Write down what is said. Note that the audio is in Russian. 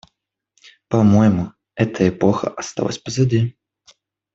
По-моему, эта эпоха осталась позади.